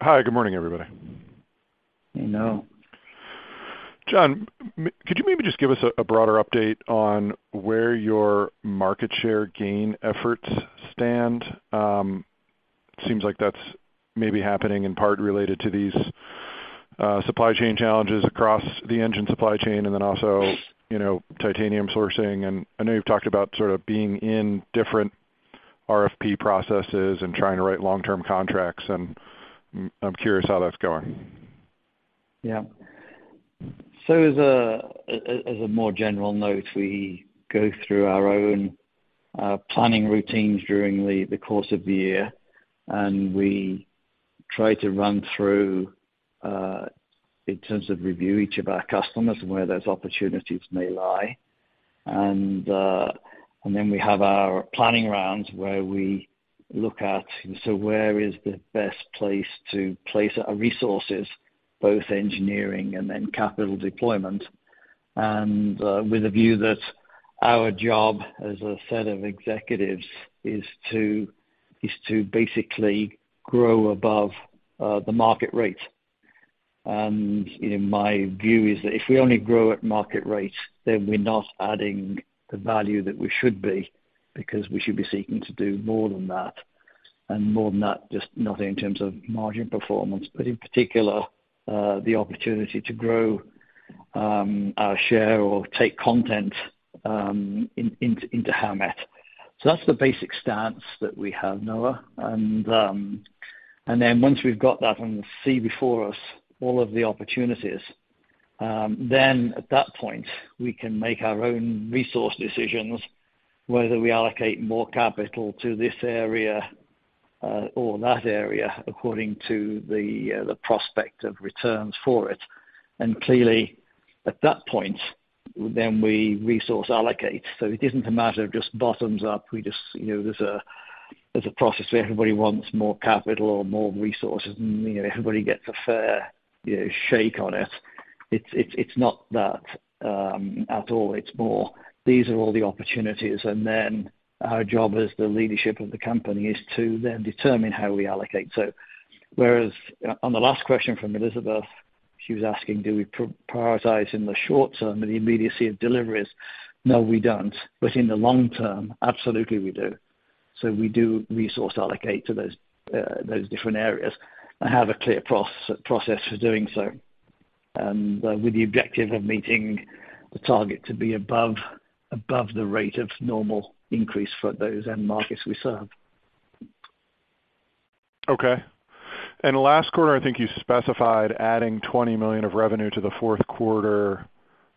Hi. Good morning, everybody. Hey, Noah. John, could you maybe just give us a broader update on where your market share gain efforts stand? Seems like that's maybe happening in part related to these supply chain challenges across the engine supply chain and then also, you know, titanium sourcing. I know you've talked about sort of being in different RFP processes and trying to write long-term contracts, and I'm curious how that's going. Yeah. As a more general note, we go through our own planning routines during the course of the year, and we try to run through in terms of review each of our customers and where those opportunities may lie. Then we have our planning rounds where we look at where the best place is to place our resources, both engineering and capital deployment, and with a view that our job as a set of executives is to basically grow above the market rate. You know, my view is that if we only grow at market rate, then we're not adding the value that we should be, because we should be seeking to do more than that. More than that, just not in terms of margin performance, but in particular, the opportunity to grow our share or take content into Howmet. That's the basic stance that we have, Noah. Once we've got that and see before us all of the opportunities, then at that point, we can make our own resource decisions, whether we allocate more capital to this area or that area according to the prospect of returns for it. Clearly at that point, then we resource allocate. It isn't a matter of just bottoms up. We just, you know, there's a process where everybody wants more capital or more resources, and, you know, everybody gets a fair, you know, shake on it. It's not that at all. It's more, these are all the opportunities. Our job as the leadership of the company is to then determine how we allocate. Whereas on the last question from Sheila Kahyaoglu, she was asking, do we prioritize in the short term and the immediacy of deliveries? No, we don't. In the long term, absolutely we do. We reallocate to those different areas and have a clear process for doing so, and with the objective of meeting the target to be above the rate of normal increase for those end markets we serve. Okay. Last quarter, I think you specified adding $20 million of revenue to the fourth quarter,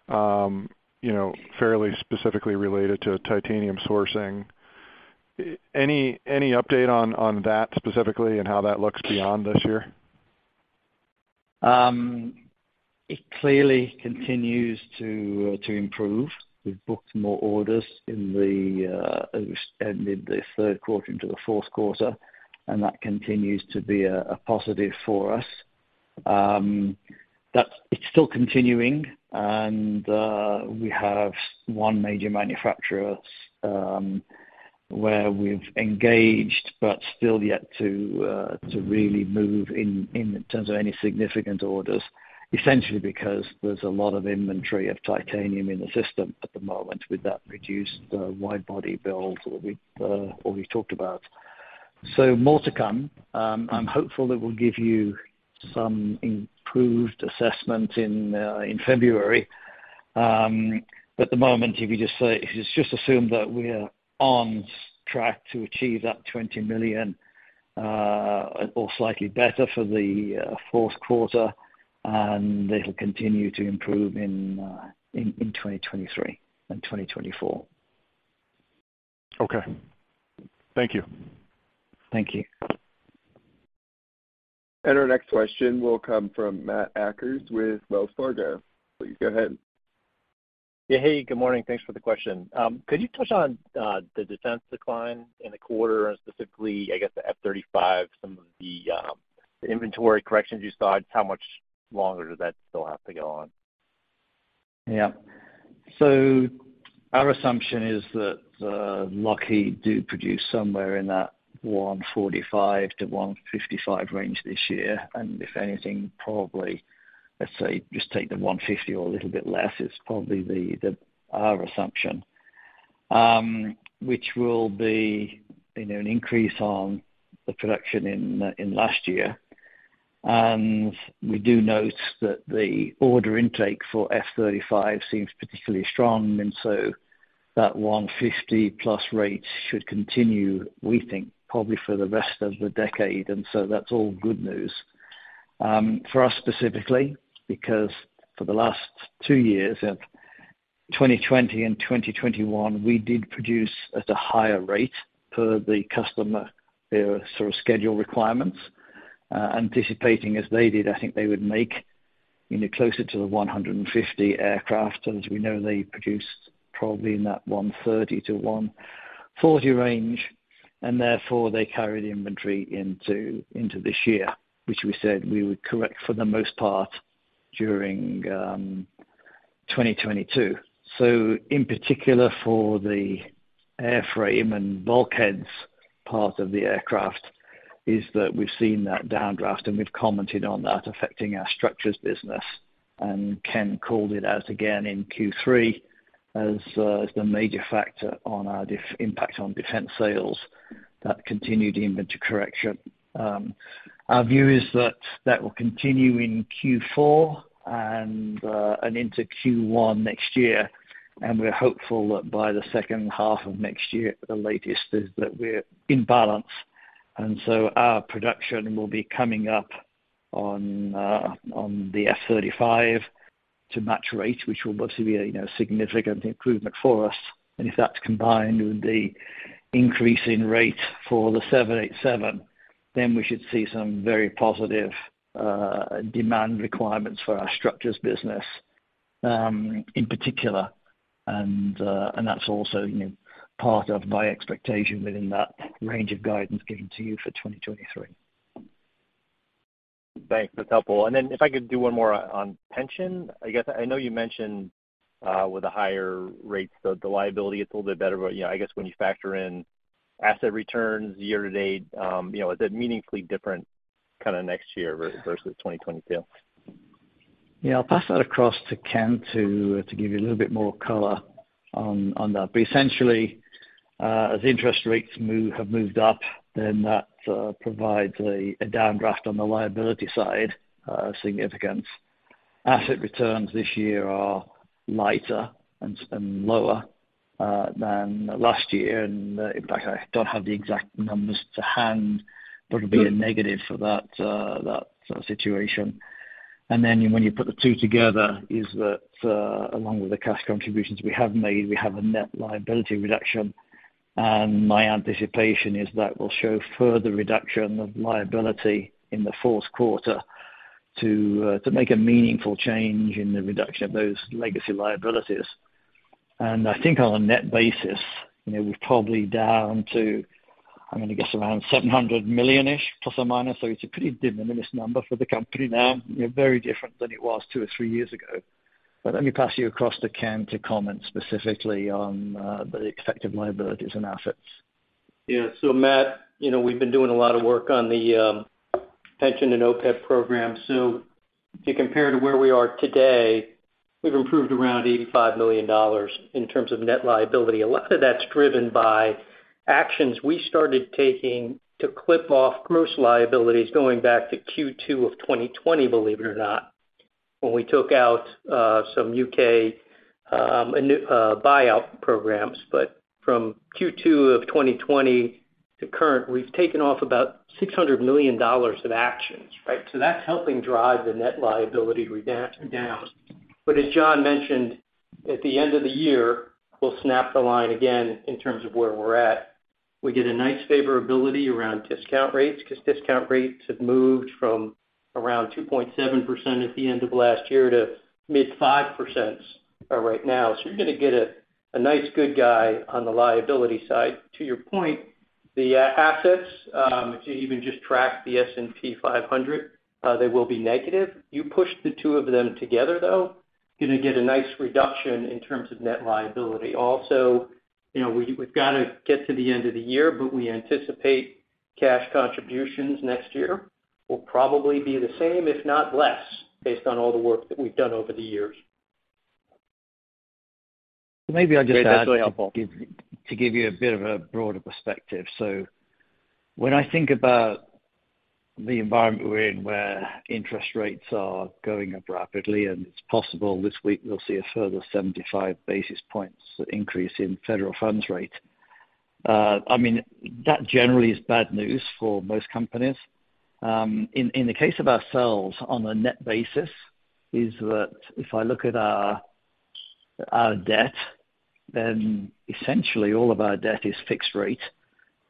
you know, fairly specifically related to titanium sourcing. Any update on that specifically and how that looks beyond this year? It clearly continues to improve. We've booked more orders in the as we ended the third quarter into the fourth quarter, and that continues to be a positive for us. It's still continuing and we have one major manufacturer where we've engaged but still yet to really move in in terms of any significant orders. Essentially because there's a lot of inventory of titanium in the system at the moment with that reduced wide body build or we talked about. More to come. I'm hopeful that we'll give you some improved assessment in February. At the moment, if you just assume that we're on track to achieve that $20 million, or slightly better for the fourth quarter, and it'll continue to improve in 2023 and 2024. Okay. Thank you. Thank you. Our next question will come from Matthew Akers with Wells Fargo. Please go ahead. Yeah. Hey, good morning. Thanks for the question. Could you touch on the defense decline in the quarter and specifically, I guess, the F-35, some of the inventory corrections you saw and how much longer does that still have to go on? Yeah. Our assumption is that Lockheed Martin will produce somewhere in that 145-155 range this year. If anything, probably, let's say, just take the 150 or a little bit less, is probably our assumption. Which will be, you know, an increase on the production in last year. We do note that the order intake for F-35 seems particularly strong. That 150+ rate should continue, we think, probably for the rest of the decade, and so that's all good news. For us specifically, because for the last two years, in 2020 and 2021, we did produce at a higher rate per the customer, their sort of schedule requirements, anticipating as they did. I think they would make, you know, closer to the 150 aircraft. As we know, they produced probably in that 130-140 range, and therefore they carry the inventory into this year, which we said we would correct for the most part during 2022. In particular for the airframe and bulkheads part of the aircraft is that we've seen that downdraft, and we've commented on that affecting our structures business. Ken called it out again in Q3 as the major factor on our impact on defense sales, that continued inventory correction. Our view is that that will continue in Q4 and into Q1 next year. We're hopeful that by the second half of next year, the latest, is that we're in balance. Our production will be coming up on the F-35 to match rate, which will obviously be a significant improvement for us. If that's combined with the increase in rate for the 787, then we should see some very positive demand requirements for our structures business in particular. That's also part of my expectation within that range of guidance given to you for 2023. Thanks. That's helpful. Then if I could do one more on pension. I guess I know you mentioned, with the higher rates, the liability, it's a little bit better. You know, I guess when you factor in asset returns year to date, you know, is it meaningfully different kind of next year versus 2022? Yeah. I'll pass that across to Ken to give you a little bit more color on that. Essentially, as interest rates have moved up, then that provides a significant downdraft on the liability side. Asset returns this year are lighter and lower than last year. In fact, I don't have the exact numbers to hand, but it'll be a negative for that situation. Then when you put the two together, that, along with the cash contributions we have made, we have a net liability reduction. My anticipation is that we'll show further reduction of liability in the fourth quarter to make a meaningful change in the reduction of those legacy liabilities. I think on a net basis, you know, we're probably down to, I'm gonna guess, around $700 million-ish plus or minus. It's a pretty de minimis number for the company now, you know, very different than it was two or three years ago. Let me pass you across to Ken to comment specifically on the effect of liabilities and assets. Yeah. Matt, you know, we've been doing a lot of work on the pension and OPEB program. To compare to where we are today, we've improved around $85 million in terms of net liability. A lot of that's driven by actions we started taking to clip off gross liabilities going back to Q2 of 2020, believe it or not, when we took out some U.K. new buyout programs. From Q2 of 2020 to current, we've taken off about $600 million of actions, right? That's helping drive the net liability down. As John mentioned, at the end of the year, we'll snap the line again in terms of where we're at. We get a nice favorability around discount rates because discount rates have moved from around 2.7% at the end of last year to mid-5%, right now. You're gonna get a nice good guy on the liability side. To your point, the assets, if you even just track the S&P 500, they will be negative. You push the two of them together, though, you're gonna get a nice reduction in terms of net liability. Also, you know, we've gotta get to the end of the year, but we anticipate cash contributions next year will probably be the same, if not less, based on all the work that we've done over the years. Maybe I'll just add. That's really helpful. to give you a bit of a broader perspective. When I think about the environment we're in, where interest rates are going up rapidly, and it's possible this week we'll see a further 75 basis points increase in federal funds rate. I mean, that generally is bad news for most companies. In the case of ourselves on a net basis, is that if I look at our debt, then essentially all of our debt is fixed rate.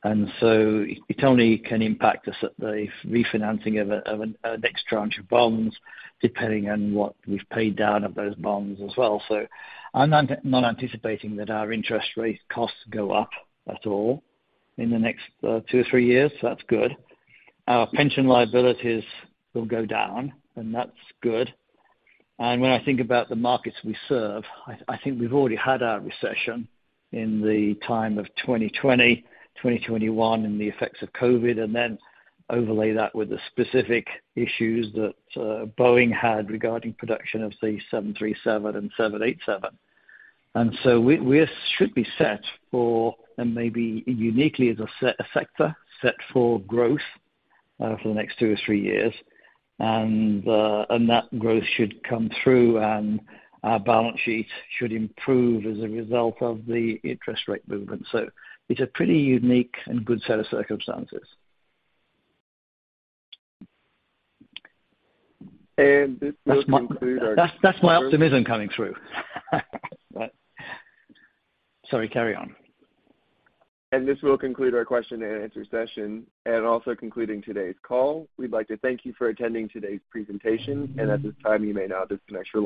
It only can impact us at the refinancing of a next tranche of bonds, depending on what we've paid down of those bonds as well. I'm not anticipating that our interest rate costs go up at all in the next two or three years. That's good. Our pension liabilities will go down, and that's good. When I think about the markets we serve, I think we've already had our recession in the time of 2020, 2021, and the effects of COVID. Then overlay that with the specific issues that Boeing had regarding production of the 737 and 787. We should be set for, and maybe uniquely as a sector, set for growth for the next two or three years. That growth should come through, and our balance sheet should improve as a result of the interest rate movement. It's a pretty unique and good set of circumstances. This will conclude our. That's my optimism coming through. Sorry, carry on. This will conclude our question and answer session, and also concluding today's call. We'd like to thank you for attending today's presentation. At this time, you may now disconnect your lines.